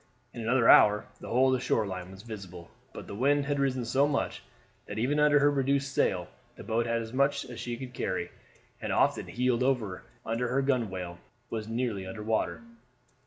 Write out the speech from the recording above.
In another hour the whole of the shore line was visible; but the wind had risen so much that, even under her reduced sail, the boat had as much as she could carry, and often heeled over until her gunwale was nearly under water.